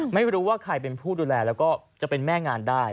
ไม่รู้ว่าใครเป็นผู้ดูแลแล้วก็จะเป็นแม่งานได้